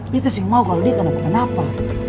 bete sih mau kalo dia akan lakukan apa